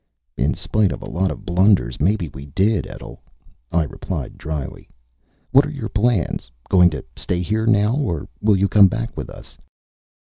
"In spite of a lot of blunders, maybe we did, Etl," I replied dryly. "What are your plans? Going to stay here now? Or will you come back with us?"